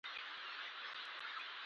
چې په نارمل مرګ مړ شو.